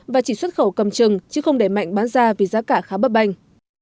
và chỉ xuất khẩu cầm chừng chứ không để mạnh bán ra vì giá cả khá bấp banh